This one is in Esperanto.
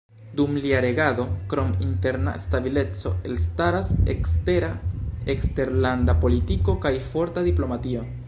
Dum lia regado, krom interna stabileco, elstaras ekstera eksterlanda politiko kaj forta diplomatio.